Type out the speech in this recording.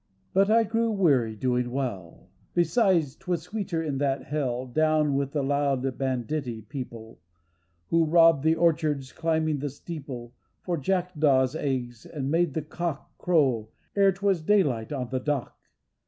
But I grew weary doing well, Besides, 'twas sweeter in that hell, Down with the loud banditti people Who robbed the orchards, climbed the steeple For jackdaws' eggs and made the cock Crow ere 'twas daylight on the clock.